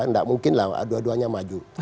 tidak mungkin lah dua duanya maju